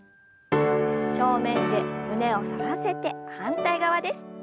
正面で胸を反らせて反対側です。